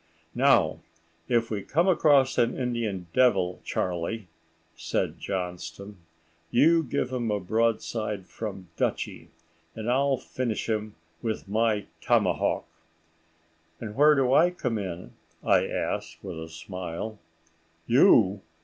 "Now, if we come across an Indian devil, Charlie," said Johnston, "you give him a broadside from 'Dutchie,' and I'll finish him with my tomahawk." "And where do I come in?" I asked, with a smile. "You?